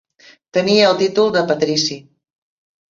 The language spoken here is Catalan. Tenia el títol de patrici.